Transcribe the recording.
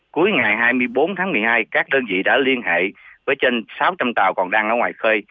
cuối ngày hai mươi bốn tháng một mươi hai các đơn vị đã liên hệ với trên sáu trăm linh tàu còn đang ở ngoài khơi